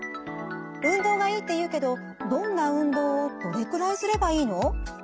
運動がいいっていうけどどんな運動をどれくらいすればいいの？